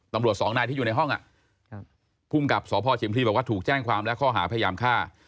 สองนายที่อยู่ในห้องภูมิกับสพชิมพลีบอกว่าถูกแจ้งความและข้อหาพยายามฆ่า